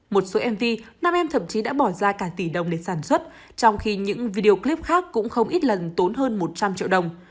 một số mv năm em thậm chí đã bỏ ra cả tỷ đồng để sản xuất trong khi những video clip khác cũng không ít lần tốn hơn một trăm linh triệu đồng